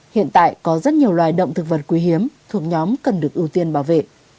hiện tại có rất nhiều loài động thực vật quý hiếm thuộc nhóm cần được ưu tiên bảo vệ